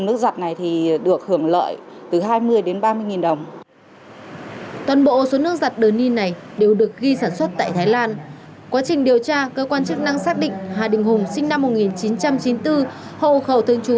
quá trình điều tra cơ quan chức năng xác định hà đình hùng sinh năm một nghìn chín trăm chín mươi bốn hộ khẩu thương chú